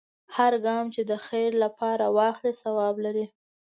هر ګام چې د خیر لپاره واخلې، ثواب لري.